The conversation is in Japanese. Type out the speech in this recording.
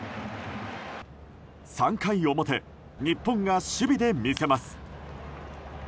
３回表日本が守備で見せます。